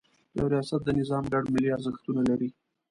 یو ریاست د نظام ګډ ملي ارزښتونه لري.